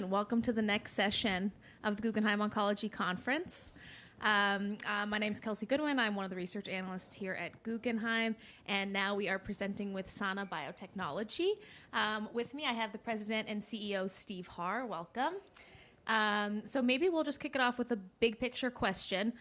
Welcome to the next session of the Guggenheim Oncology Conference. My name is Kelsey Goodwin. I'm one of the research analysts here at Guggenheim, now we are presenting with Sana Biotechnology. With me, I have the President and CEO, Steve Harr. Welcome. Maybe we'll just kick it off with a big picture question.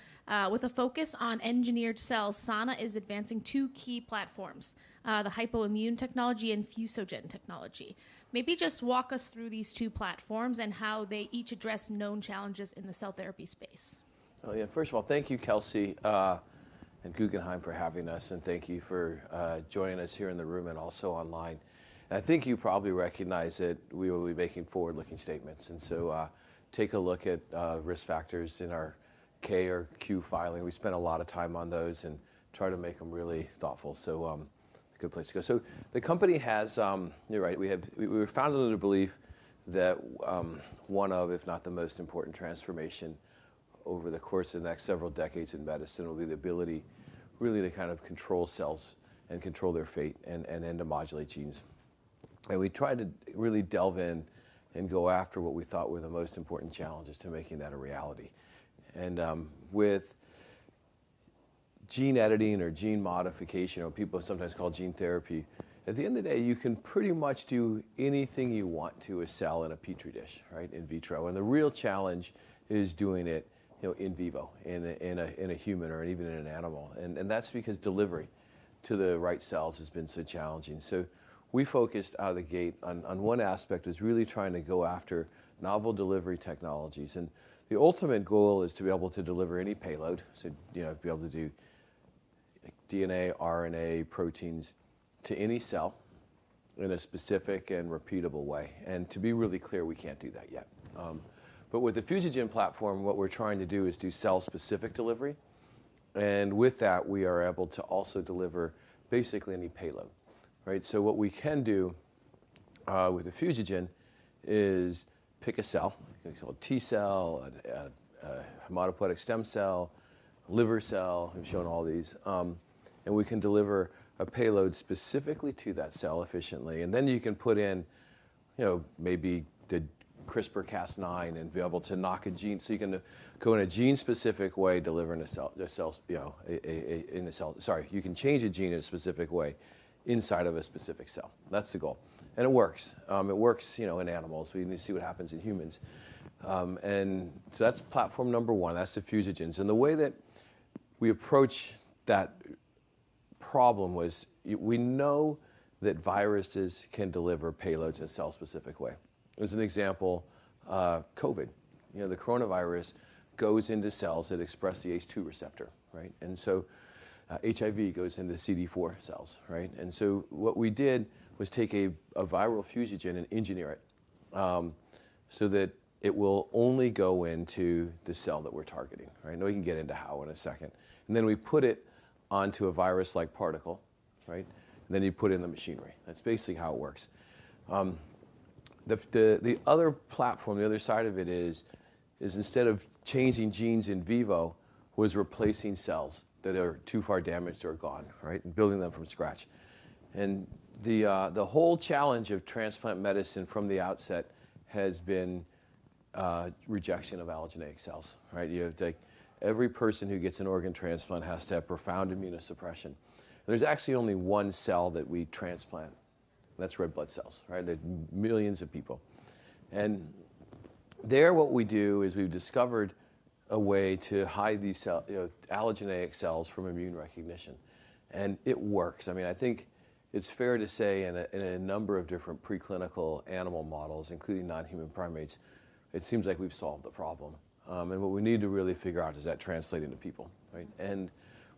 With a focus on engineered cells, Sana is advancing two key platforms, the hypoimmune technology and fusogen technology. Maybe just walk us through these two platforms and how they each address known challenges in the cell therapy space. Oh, yeah. First of all, thank you, Kelsey, and Guggenheim for having us, and thank you for joining us here in the room and also online. I think you probably recognize that we will be making forward-looking statements, take a look at risk factors in our K or Q filing. We spent a lot of time on those and try to make them really thoughtful, good place to go. The company has, you're right, we were founded under the belief that one of, if not the most important transformation over the course of the next several decades in medicine will be the ability really to kind of control cells and control their fate and then to modulate genes. We try to really delve in and go after what we thought were the most important challenges to making that a reality. With gene editing or gene modification, or people sometimes call gene therapy, at the end of the day, you can pretty much do anything you want to a cell in a Petri dish, right, in vitro. The real challenge is doing it, you know, in vivo, in a human or even in an animal. That's because delivery to the right cells has been so challenging. We focused out of the gate on one aspect, is really trying to go after novel delivery technologies. The ultimate goal is to be able to deliver any payload, so, you know, be able to do DNA, RNA, proteins to any cell in a specific and repeatable way. To be really clear, we can't do that yet. With the fusogen platform, what we're trying to do is do cell-specific delivery. With that, we are able to also deliver basically any payload, right? What we can do with a fusogen is pick a cell, it's called T cell, a hematopoietic stem cell, liver cell, we've shown all these, and we can deliver a payload specifically to that cell efficiently. Then you can put in, you know, maybe the CRISPR-Cas9 and be able to knock a gene. You can go in a gene-specific way, delivering a cell, the cells, you know, Sorry, you can change a gene in a specific way inside of a specific cell. That's the goal. It works. It works, you know, in animals. We need to see what happens in humans. That's platform number one. That's the fusogens. The way that we approach that problem was we know that viruses can deliver payloads in a cell-specific way. As an example, COVID. You know, the coronavirus goes into cells that express the ACE2 receptor, right? HIV goes into CD4 cells, right? What we did was take a viral fusogen and engineer it, so that it will only go into the cell that we're targeting, right? I know you can get into how in a second. Then we put it onto a virus-like particle, right? You put in the machinery. That's basically how it works. The other platform, the other side of it is instead of changing genes in vivo, was replacing cells that are too far damaged or gone, right? Building them from scratch. The whole challenge of transplant medicine from the outset has been rejection of allogeneic cells, right? You have to take every person who gets an organ transplant has to have profound immunosuppression. There's actually only one cell that we transplant, and that's red blood cells, right? There are millions of people. There, what we do is we've discovered a way to hide these cell, you know, allogeneic cells from immune recognition. It works. I mean, I think it's fair to say in a number of different preclinical animal models, including nonhuman primates, it seems like we've solved the problem. What we need to really figure out is that translating to people, right?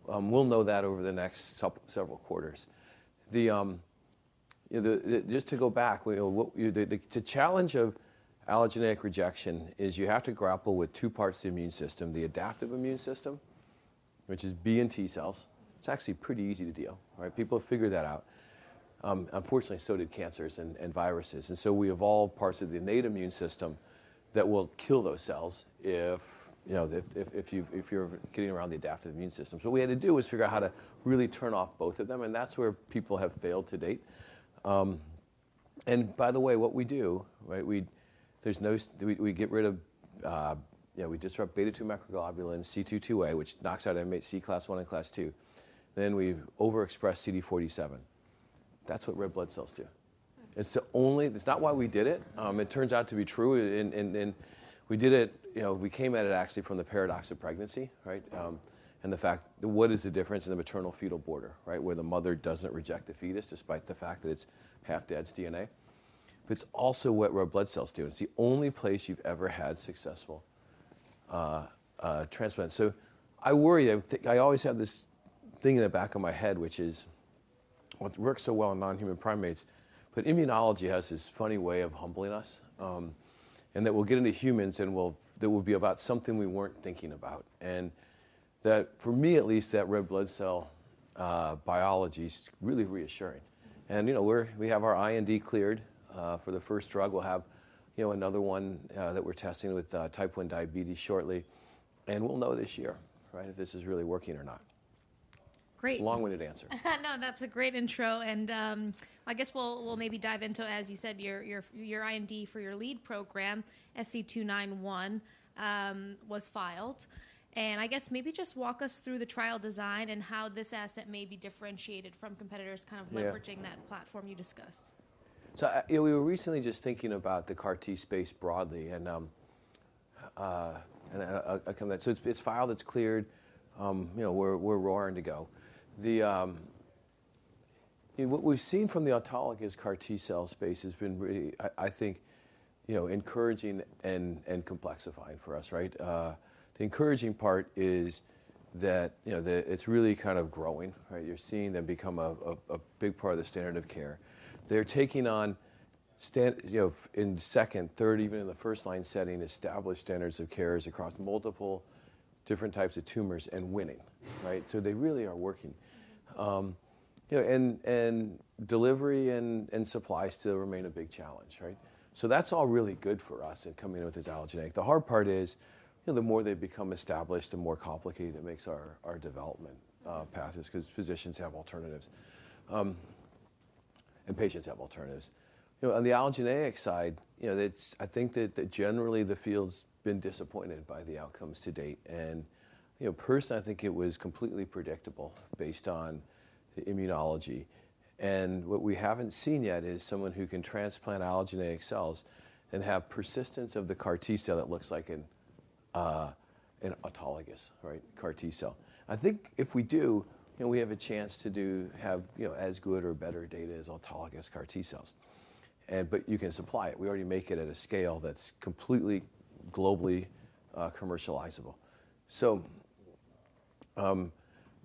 We'll know that over the next several quarters. Just to go back, the challenge of allogeneic rejection is you have to grapple with two parts of the immune system, the adaptive immune system, which is B and T cells. It's actually pretty easy to deal, right? People have figured that out. Unfortunately, so did cancers and viruses. We evolved parts of the innate immune system that will kill those cells if you're getting around the adaptive immune system. What we had to do is figure out how to really turn off both of them, and that's where people have failed to date. By the way, what we do, right? We get rid of, you know, we disrupt beta-2 microglobulin, CIITA, which knocks out MHC class I and class II. We overexpress CD47. That's what red blood cells do. It's the only... That's not why we did it. It turns out to be true, and we did it, you know, we came at it actually from the paradox of pregnancy, right? And the fact what is the difference in the maternal fetal border, right? Where the mother doesn't reject the fetus despite the fact that it's half dad's DNA. It's also what red blood cells do. It's the only place you've ever had successful transplant. I worry, I always have this thing in the back of my head, which is it works so well in nonhuman primates, but immunology has this funny way of humbling us. We'll get into humans, there will be about something we weren't thinking about. That, for me at least, that red blood cell biology is really reassuring. You know, we're, we have our IND cleared for the first drug. We'll have, you know, another one that we're testing with Type 1 diabetes shortly. We'll know this year, right, if this is really working or not. Great Long-winded answer. No, that's a great intro. I guess we'll maybe dive into, as you said, your IND for your lead program, SC291, was filed. I guess maybe just walk us through the trial design and how this asset may be differentiated from competitors? Yeah... leveraging that platform you discussed. We were recently just thinking about the CAR T space broadly and a comment. It's filed, it's cleared, you know, we're roaring to go. You know, what we've seen from the autologous CAR T-cell space has been really, I think, you know, encouraging and complexifying for us, right? The encouraging part is that, you know, it's really kind of growing, right? You're seeing them become a big part of the standard of care. They're taking on, you know, in second, third, even in the first line setting, established standards of cares across multiple different types of tumors and winning, right? They really are working. You know, and delivery and supplies still remain a big challenge, right? That's all really good for us in coming in with this allogeneic. The hard part is, you know, the more they become established and more complicated, it makes our development paths 'cause physicians have alternatives, and patients have alternatives. You know, on the allogeneic side, you know, I think that generally the field's been disappointed by the outcomes to date. You know, personally, I think it was completely predictable based on the immunology. What we haven't seen yet is someone who can transplant allogeneic cells and have persistence of the CAR T-cell that looks like an autologous, right? CAR T-cell. I think if we do, you know, we have a chance to have, you know, as good or better data as autologous CAR T-cells. But you can supply it. We already make it at a scale that's completely globally commercializable.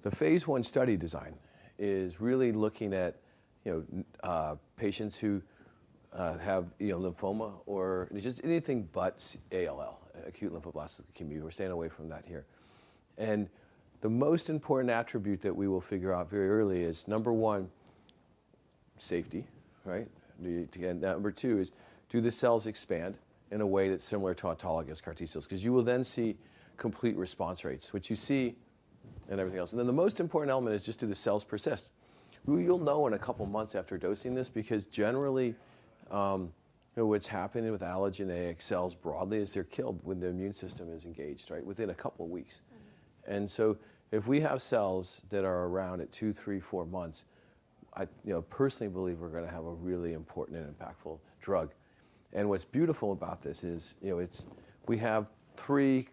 The phase 1 study design is really looking at, you know, patients who have, you know, lymphoma or just anything but ALL, acute lymphoblastic leukemia. We're staying away from that here. The most important attribute that we will figure out very early is, number one, safety, right? And number two is, do the cells expand in a way that's similar to autologous CAR T-cells? 'Cause you will then see complete response rates, which you see in everything else. Then the most important element is just do the cells persist? You'll know in a couple of months after dosing this, because generally, you know, what's happening with allogeneic cells broadly is they're killed when their immune system is engaged, right? Within a couple of weeks. Mm-hmm. If we have cells that are around at two, three, four months, I, you know, personally believe we're gonna have a really important and impactful drug. What's beautiful about this is, you know, we have three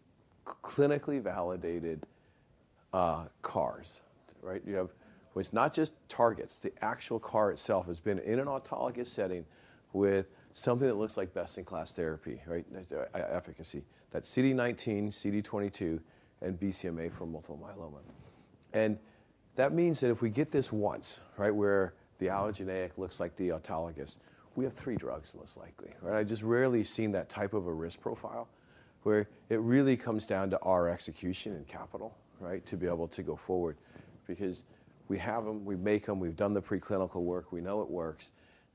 clinically validated CARs, right? It's not just targets. The actual CAR itself has been in an autologous setting with something that looks like best-in-class therapy, right? That's CD19, CD22, and BCMA for multiple myeloma. That means that if we get this once, right? Where the allogeneic looks like the autologous, we have three drugs, most likely. Right? I just rarely seen that type of a risk profile, where it really comes down to our execution and capital, right? To be able to go forward. Because we have them, we make them, we've done the pre-clinical work, we know it works.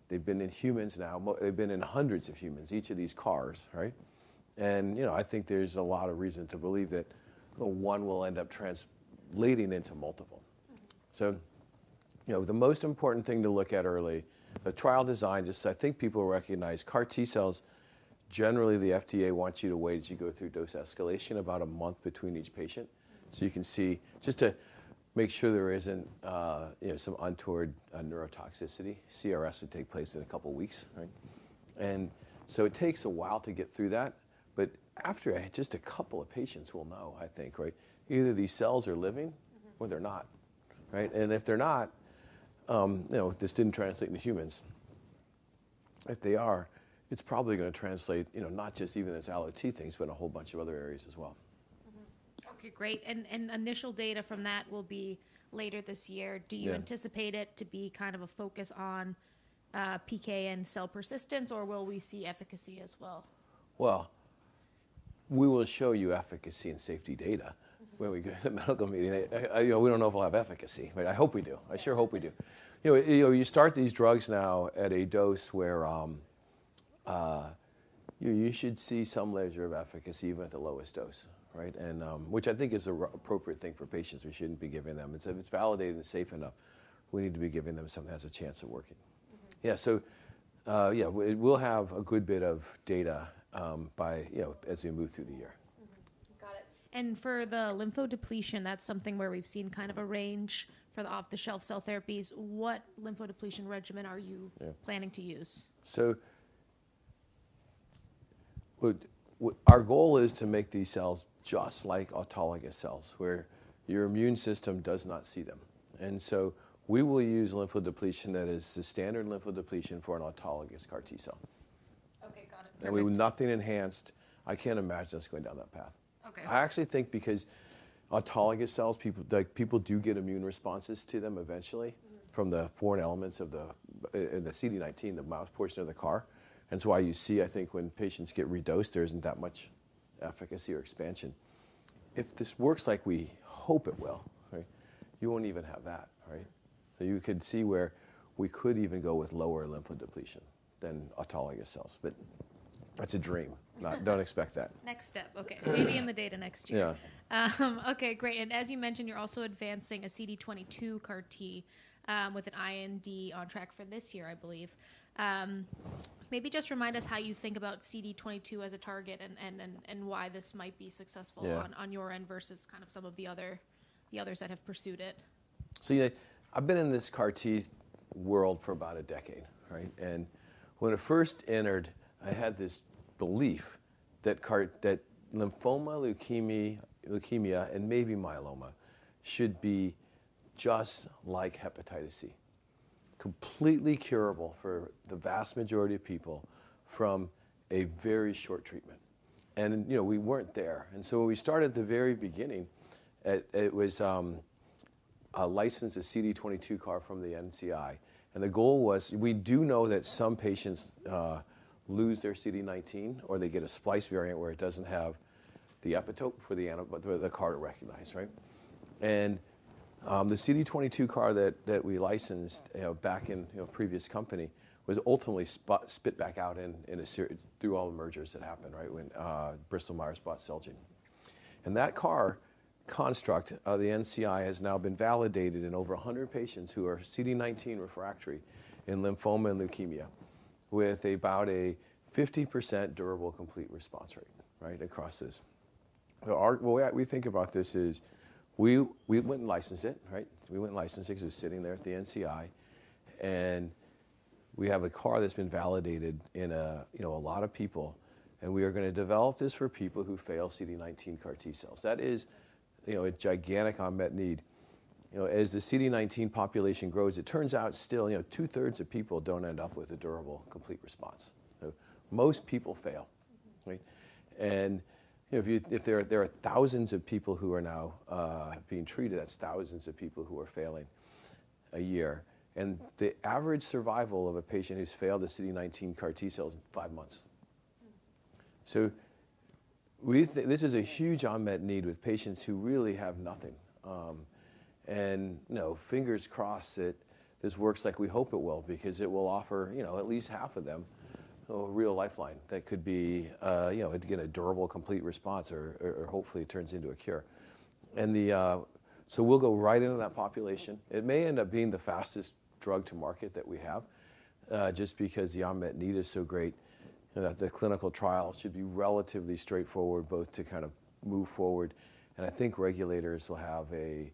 They've been in humans now. They've been in hundreds of humans, each of these CARs, right? You know, I think there's a lot of reason to believe that one will end up translating into multiple. Mm-hmm. You know, the most important thing to look at early, the trial design, just so I think people recognize CAR T cells, generally the FDA wants you to wait as you go through dose escalation about a month between each patient. You can see just to make sure there isn't, you know, some untoward neurotoxicity. CRS would take place in a couple of weeks, right? It takes a while to get through that. After it, just a couple of patients will know, I think, right? Either these cells are living- Mm-hmm... or they're not. Right? If they're not, you know, this didn't translate into humans. If they are, it's probably gonna translate, you know, not just even this allo things, but a whole bunch of other areas as well. Mm-hmm. Okay, great. Initial data from that will be later this year. Yeah. Do you anticipate it to be kind of a focus on, PK and cell persistence, or will we see efficacy as well? We will show you efficacy and safety data when we go to medical meeting. I, you know, we don't know if we'll have efficacy, but I hope we do. Yeah. I sure hope we do. You know, you start these drugs now at a dose where you should see some measure of efficacy even at the lowest dose, right? Which I think is the appropriate thing for patients. We shouldn't be giving them. If it's validated and safe enough, we need to be giving them something that has a chance of working. Mm-hmm. Yeah. Yeah, we'll have a good bit of data, by, you know, as we move through the year. Mm-hmm. Got it. For the lymphodepletion, that's something where we've seen kind of a range for the off-the-shelf cell therapies. What lymphodepletion regimen are you-? Yeah... planning to use? Our goal is to make these cells just like autologous cells, where your immune system does not see them. We will use lymphodepletion that is the standard lymphodepletion for an autologous CAR T-cell. Okay, got it. Perfect. Nothing enhanced. I can't imagine us going down that path. Okay. I actually think because autologous cells, people, like, people do get immune responses to them eventually- Mm-hmm... from the foreign elements of the in the CD19, the mouse portion of the CAR. That's why you see, I think when patients get redosed, there isn't that much efficacy or expansion. If this works like we hope it will, right? You won't even have that, right? You could see where we could even go with lower lymphodepletion than autologous cells. That's a dream. Don't expect that. Next step. Okay. Maybe in the data next year. Yeah. Okay, great. As you mentioned, you're also advancing a CD22 CAR T with an IND on track for this year, I believe. Maybe just remind us how you think about CD22 as a target and why this might be successful- Yeah ...on your end versus kind of some of the others that have pursued it. Yeah. I've been in this CAR T world for about a decade, right? When I first entered, I had this belief that lymphoma, leukemia, and maybe myeloma should be just like hepatitis C. Completely curable for the vast majority of people from a very short treatment. You know, we weren't there. We started at the very beginning. It was a license, a CD22 CAR from the NCI. The goal was, we do know that some patients lose their CD19, or they get a splice variant where it doesn't have the epitope for the CAR to recognize, right? The CD22 CAR that we licensed, you know, back in, you know, previous company was ultimately spit back out through all the mergers that happened, right, when Bristol-Myers Squibb bought Celgene. That CAR construct of the NCI has now been validated in over 100 patients who are CD19 refractory in lymphoma and leukemia with about a 50% durable complete response rate, right, across this. The way we think about this is, we went and licensed it, right? We went and licensed it 'cause it's sitting there at the NCI, and we have a CAR that's been validated in a, you know, a lot of people. We are gonna develop this for people who fail CD19 CAR T cells. That is, you know, a gigantic unmet need. You know, as the CD19 population grows, it turns out still, you know, two-thirds of people don't end up with a durable complete response. Most people fail, right? You know, if there are thousands of people who are now being treated, that's thousands of people who are failing a year. The average survival of a patient who's failed the CD19 CAR T cell is five months. This is a huge unmet need with patients who really have nothing. You know, fingers crossed that this works like we hope it will because it will offer, you know, at least half of them a real lifeline that could be, you know, to get a durable, complete response or hopefully it turns into a cure. We'll go right into that population. It may end up being the fastest drug to market that we have, just because the unmet need is so great that the clinical trial should be relatively straightforward, both to kind of move forward, and I think regulators will have a,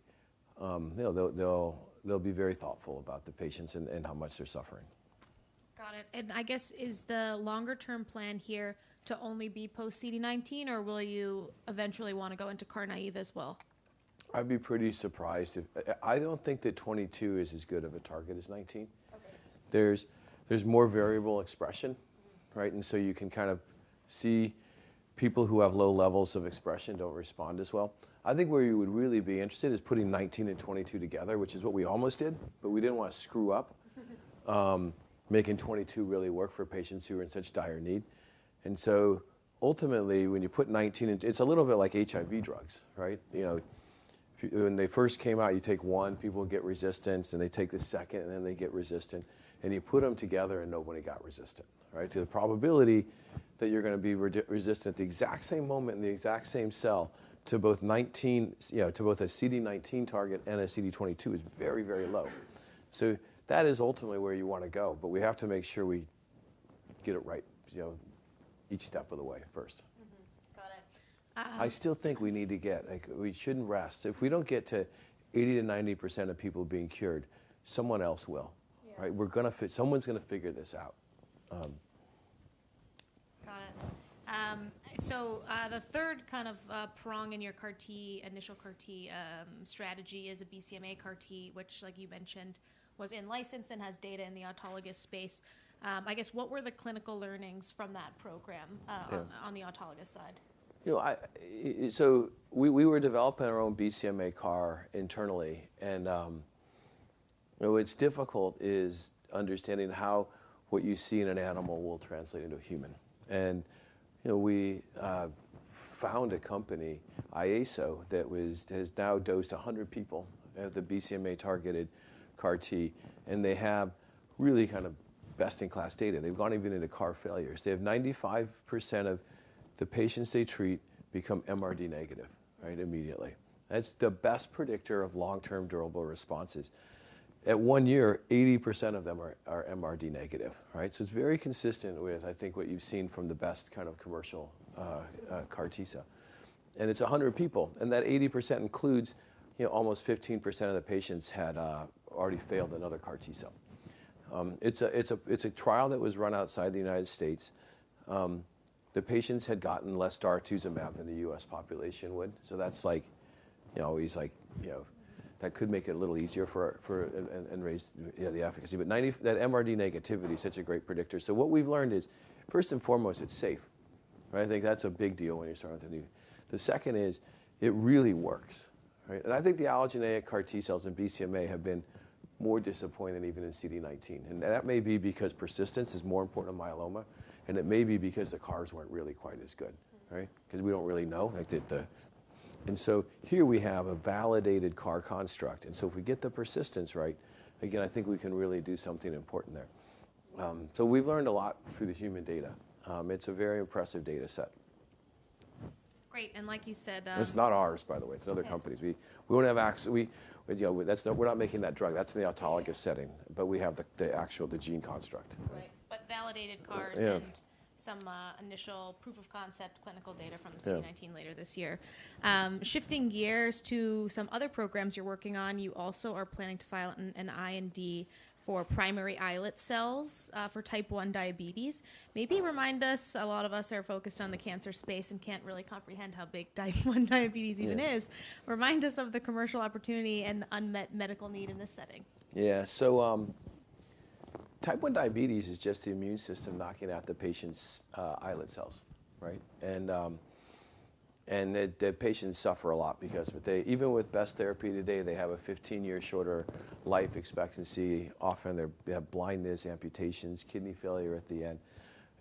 you know, they'll be very thoughtful about the patients and how much they're suffering. Got it. I guess, is the longer term plan here to only be post-CD19, or will you eventually wanna go into CAR naive as well? I'd be pretty surprised. I don't think that CD22 is as good of a target as CD19. Okay. There's more variable expression, right? You can kind of see people who have low levels of expression don't respond as well. I think where you would really be interested is putting CD19 and CD22 together, which is what we almost did, but we didn't wanna making CD22 really work for patients who are in such dire need. Ultimately, when you put CD19. It's a little bit like HIV drugs, right? You know, when they first came out, you take one, people get resistance, and they take the second, and then they get resistant. You put them together, and nobody got resistant, right? The probability that you're gonna be resistant at the exact same moment in the exact same cell to both a CD19 target and a CD22 is very, very low. That is ultimately where you wanna go, but we have to make sure we get it right, you know, each step of the way first. Mm-hmm. Got it. Like, we shouldn't rest. If we don't get to 80%-90% of people being cured, someone else will. Yeah. Right? Someone's gonna figure this out. Got it. The third kind of prong in your CAR T, initial CAR T, strategy is a BCMA CAR T, which, like you mentioned, was in license and has data in the autologous space. I guess what were the clinical learnings from that program? Yeah ...on the autologous side? You know, we were developing our own BCMA CAR internally, and what's difficult is understanding how what you see in an animal will translate into a human. You know, we found a company, IASO, that has now dosed 100 people at the BCMA targeted CAR T, and they have really kind of best in class data. They've gone even into CAR failures. They have 95% of the patients they treat become MRD-negative, right, immediately. That's the best predictor of long-term durable responses. At one year, 80% of them are MRD-negative, right? It's very consistent with, I think, what you've seen from the best kind of commercial CAR T cell. It's 100 people, and that 80% includes, you know, almost 15% of the patients had already failed another CAR T cell. It's a trial that was run outside the United States. The patients had gotten less daratumumab than the U.S. population would. That's like, you know, he's like, you know, that could make it a little easier for and raise the efficacy. That MRD negativity is such a great predictor. What we've learned is, first and foremost, it's safe. Right? I think that's a big deal when you're starting with a new... The second is, it really works, right? I think the allogeneic CAR T cells in BCMA have been more disappointing even in CD19. That may be because persistence is more important in myeloma, and it may be because the CARs weren't really quite as good, right? Because we don't really know, like. Here we have a validated CAR construct. If we get the persistence right, again, I think we can really do something important there. So we've learned a lot through the human data. It's a very impressive data set. Great. Like you said, It's not ours, by the way. Okay. It's other companies. Yeah, no, we're not making that drug. That's in the autologous setting. Yeah. We have the actual gene construct. Right. validated CARs- Yeah some, initial proof of concept clinical data. Yeah ...CD19 later this year. Shifting gears to some other programs you're working on. You also are planning to file an IND for primary islet cells, for Type 1 diabetes. Oh. Maybe remind us, a lot of us are focused on the cancer space and can't really comprehend how big Type 1 diabetes even is. Yeah. Remind us of the commercial opportunity and unmet medical need in this setting. Type 1 diabetes is just the immune system knocking out the patient's islet cells, right? The patients suffer a lot because even with best therapy today, they have a 15-year shorter life expectancy. Often they're, they have blindness, amputations, kidney failure at the end.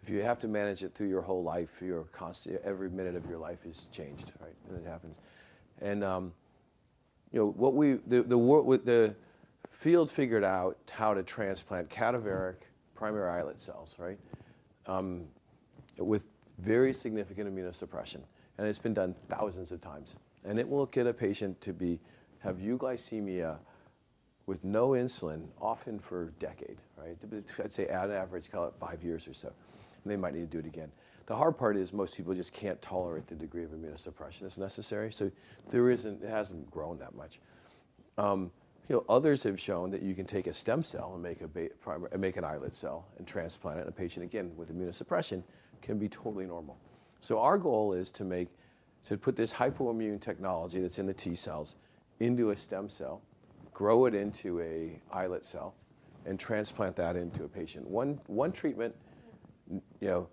If you have to manage it through your whole life, you're constantly every minute of your life is changed, right? When it happens. You know, with the field figured out how to transplant cadaveric primary islet cells, right? With very significant immunosuppression. It's been done thousands of times. It will get a patient to be, have euglycemia with no insulin, often for a decade, right? I'd say at an average, call it five years or so, and they might need to do it again. The hard part is most people just can't tolerate the degree of immunosuppression that's necessary. There isn't, it hasn't grown that much. you know, others have shown that you can take a stem cell and make an islet cell and transplant it. A patient, again, with immunosuppression can be totally normal. Our goal is to make, to put this hypoimmune technology that's in the T cells into a stem cell, grow it into an islet cell, and transplant that into a patient. One treatment, you know,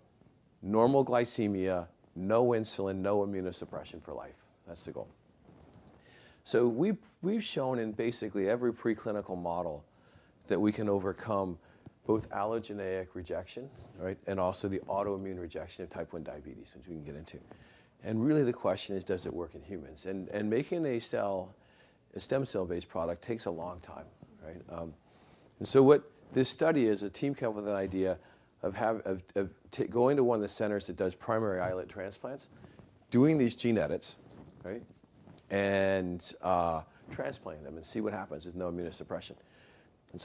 normal glycemia, no insulin, no immunosuppression for life. That's the goal. We've shown in basically every preclinical model that we can overcome both allogeneic rejection, right, and also the autoimmune rejection of Type 1 diabetes, which we can get into. Really, the question is does it work in humans? making a cell, a stem cell-based product takes a long time, right? what this study is, a team came up with an idea of going to one of the centers that does primary islet transplants, doing these gene edits, right? transplanting them and see what happens with no immunosuppression.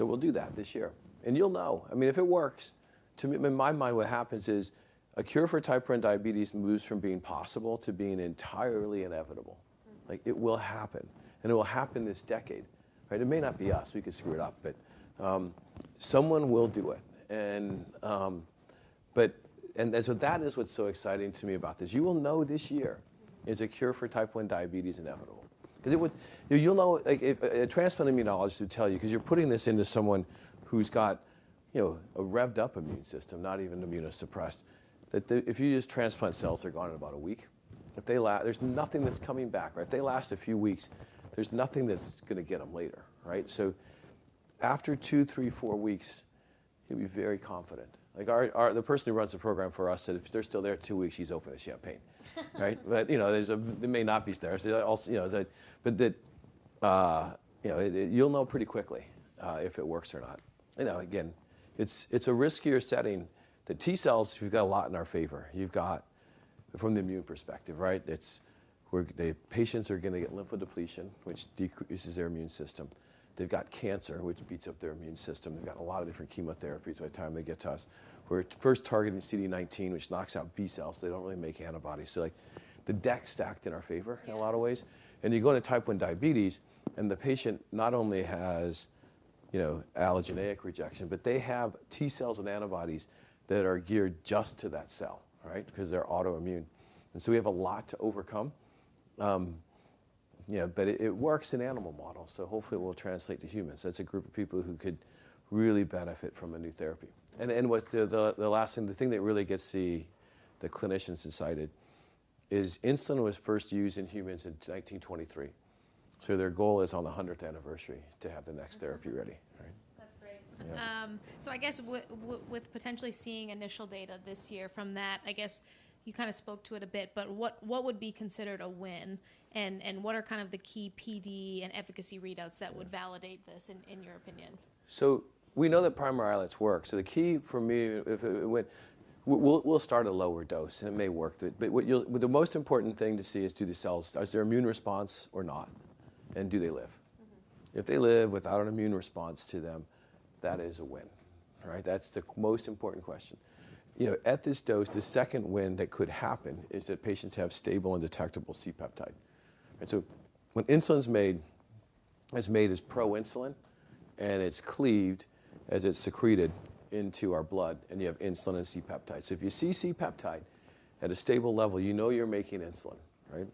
we'll do that this year. you'll know. I mean, if it works, to me, in my mind, what happens is a cure for Type 1 diabetes moves from being possible to being entirely inevitable. Mm-hmm. Like, it will happen, and it will happen this decade. Right? It may not be us, we could screw it up, but someone will do it. That is what's so exciting to me about this. You will know this year is a cure for Type 1 diabetes inevitable. Because you'll know, like, if a transplant immunologist would tell you, 'cause you're putting this into someone who's got, you know, a revved up immune system, not even immunosuppressed, if you use transplant cells, they're gone in about a week. If they la-- there's nothing that's coming back, right? If they last a few weeks, there's nothing that's gonna get them later, right? After 2, 3, 4 weeks, you'll be very confident. Like our, the person who runs the program for us said if they're still there at 2 weeks, he's opening a champagne, right? you know, there's a they may not be stairs. You know, is that, you know, it you'll know pretty quickly if it works or not. You know, again, it's a riskier setting. The T cells, we've got a lot in our favor. You've got from the immune perspective, right? It's where the patients are gonna get lymphodepletion, which decreases their immune system. They've got cancer, which beats up their immune system. They've got a lot of different chemotherapies by the time they get to us. We're first targeting CD19, which knocks out B cells. They don't really make antibodies. Like, the deck's stacked in our favor in a lot of ways. Yeah. You go into Type 1 diabetes, and the patient not only has, you know, allogeneic rejection, but they have T cells and antibodies that are geared just to that cell, right? Because they're autoimmune. We have a lot to overcome. You know, but it works in animal models, so hopefully it will translate to humans. That's a group of people who could really benefit from a new therapy. What's the last thing, the thing that really gets the clinicians incited is insulin was first used in humans in 1923. Their goal is on the 100th anniversary to have the next therapy ready, right? That's great. Yeah. I guess with potentially seeing initial data this year from that, I guess you kinda spoke to it a bit, but what would be considered a win? What are kind of the key PD and efficacy readouts that would validate this in your opinion? We know that primary islets work. The key for me if it went. We'll start a lower dose, and it may work. The most important thing to see is do the cells, is there immune response or not? Do they live? Mm-hmm. If they live without an immune response to them, that is a win, right? That's the most important question. You know, at this dose, the second win that could happen is that patients have stable and detectable C-peptide. When insulin's made, it's made as proinsulin, and it's cleaved as it's secreted into our blood, and you have insulin and C-peptide. If you see C-peptide at a stable level, you know you're making insulin, right?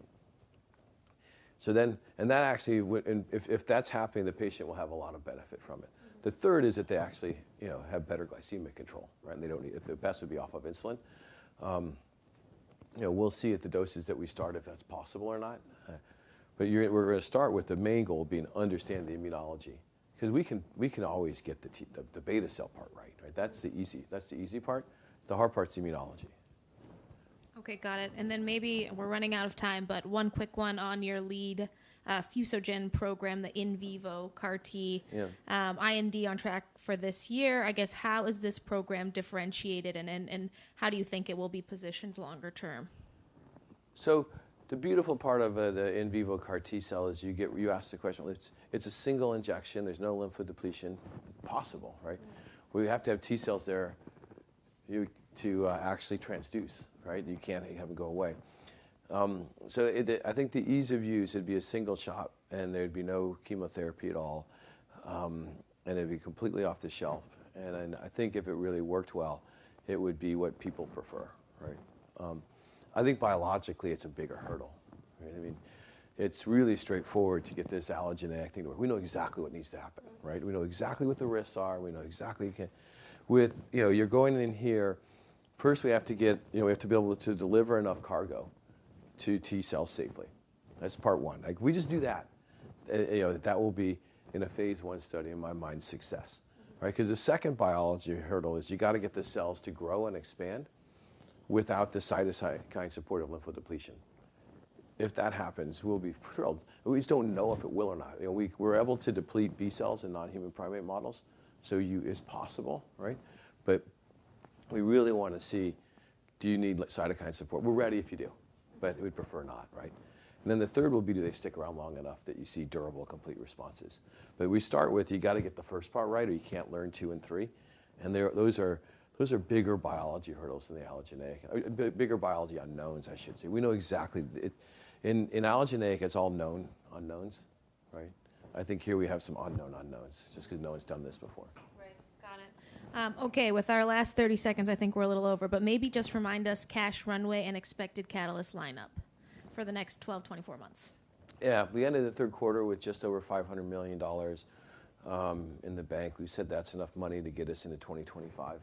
and if that's happening, the patient will have a lot of benefit from it. Mm-hmm. The third is that they actually, you know, have better glycemic control, right? They don't need-- if their best would be off of insulin. You know, we'll see at the doses that we start if that's possible or not. We're gonna start with the main goal being understand the immunology 'cause we can, we can always get the beta cell part right? That's the easy part. The hard part's the immunology. Okay, got it. Then maybe, we're running out of time, but one quick one on your lead, fusogen program, the in vivo CAR T- Yeah IND on track for this year. I guess how is this program differentiated and how do you think it will be positioned longer term? The beautiful part of the in vivo CAR T-cell is you get... You asked the question. It's a single injection. There's no lymphodepletion possible, right? We have to have T-cells there to actually transduce, right? You can't have them go away. I think the ease of use, it'd be a single shot, and there'd be no chemotherapy at all. It'd be completely off the shelf. I think if it really worked well, it would be what people prefer, right? I think biologically, it's a bigger hurdle, right? I mean, it's really straightforward to get this allogeneic thing to work. We know exactly what needs to happen, right? We know exactly what the risks are. We know exactly you can... With, you know, you're going in here, first we have to get, you know, we have to be able to deliver enough cargo to T cells safely. That's part one. We just do that. You know, that will be in a phase 1 study in my mind success, right? The second biology hurdle is you gotta get the cells to grow and expand without the cytokine support of lymphodepletion. If that happens, we'll be thrilled. We just don't know if it will or not. You know, We're able to deplete B cells in nonhuman primate models, so It's possible, right? We really wanna see, do you need cytokine support? We're ready if you do, but we'd prefer not, right? The third will be, do they stick around long enough that you see durable, complete responses? We start with you gotta get the first part right or you can't learn 2 and 3, and those are bigger biology hurdles than the allogeneic. bigger biology unknowns, I should say. We know exactly it. In allogeneic, it's all known unknowns, right? I think here we have some unknown unknowns just 'cause no one's done this before. Right. Got it. Okay. With our last 30 seconds, I think we're a little over, but maybe just remind us cash runway and expected catalyst lineup for the next 12, 24 months. Yeah. We ended the Q3 with just over $500 million in the bank. We said that's enough money to get us into 2025.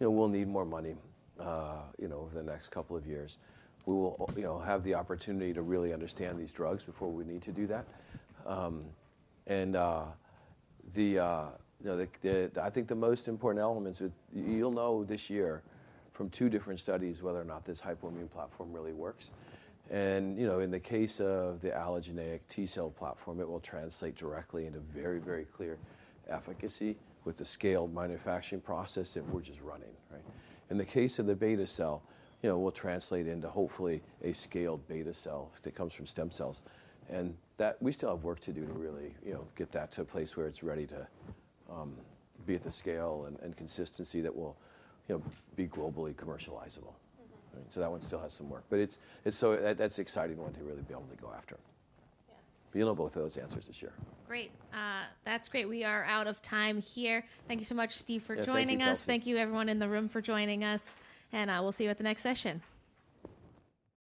You know, we'll need more money, you know, over the next couple of years. We will you know, have the opportunity to really understand these drugs before we need to do that. You know, I think the most important elements with. You'll know this year from two different studies whether or not this hypoimmune platform really works. You know, in the case of the allogeneic T-cell platform, it will translate directly into very, very clear efficacy with the scaled manufacturing process that we're just running, right? In the case of the beta cell, you know, we'll translate into hopefully a scaled beta cell that comes from stem cells, and that... We still have work to do to really, you know, get that to a place where it's ready to be at the scale and consistency that will, you know, be globally commercializable. Mm-hmm. Right? That one still has some work. It's so... That's the exciting one to really be able to go after. Yeah. You'll know both those answers this year. Great. That's great. We are out of time here. Thank you so much, Steve, for joining us. Yeah. Thank you, Kelsey. Thank you everyone in the room for joining us, and I will see you at the next session.